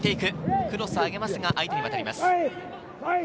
クロスを上げますが、相手に渡ります。